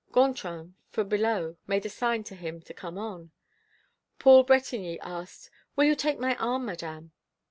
Gontran, from below, made a sign to him to come on. Paul Bretigny asked: "Will you take my arm, Madame?"